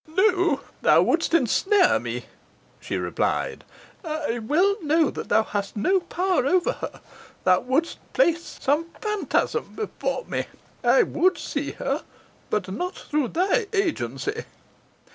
"No thou would'st ensnare me," she replied. "I well know thou hast no power over her. Thou would'st place some phantasm before me. I would see her, but not through thy agency."